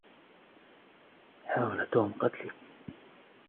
حاول توم قتلي.